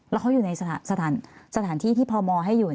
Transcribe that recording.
แล้วเขาอยู่ในสถานที่ที่พมให้อยู่